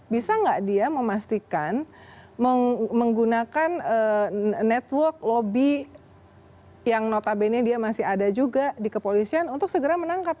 bisa nggak dia memastikan menggunakan network lobby yang notabene dia masih ada juga di kepolisian untuk segera menangkap